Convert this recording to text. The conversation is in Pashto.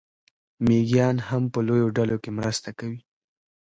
مېږیان هم په لویو ډلو کې مرسته کوي.